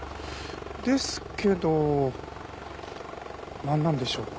ですけどなんなんでしょう？